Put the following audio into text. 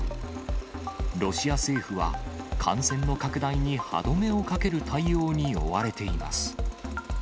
ロシア政府は、感染の拡大に歯止めをかける対応に追われています。